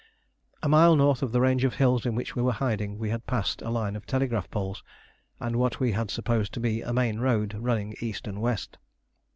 A mile north of the range of hills in which we were hiding we had passed a line of telegraph poles, and what we had supposed to be a main road running east and west.